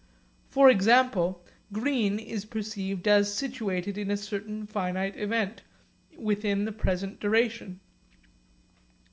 For example, green is perceived as situated in a certain finite event within the present duration.